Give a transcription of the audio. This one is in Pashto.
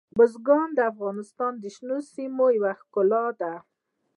بزګان د افغانستان د شنو سیمو یوه ښکلا ده.